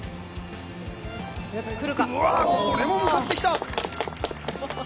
これも向かってきた！